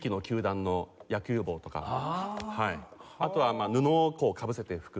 あとはまあ布をかぶせて吹く。